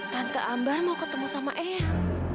tante ambar mau ketemu sama ayah